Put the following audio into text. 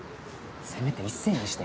せめて「一星」にして。